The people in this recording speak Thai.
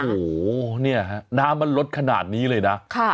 โอ้โหเนี่ยฮะน้ำมันลดขนาดนี้เลยนะ